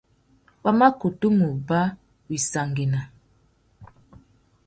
Wa mà kutu mù uba wissangüena.